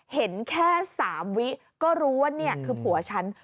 เห็นแค่๓วิก็รู้ว่านี่คือผัวฉัน